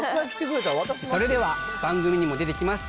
それでは番組にも出てきます